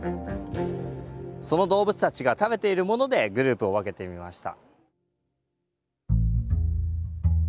その動物たちが食べているものでグループを分けてみました。